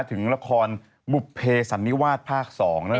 ถึงละครมุพเพสันนิวาสภาคสอง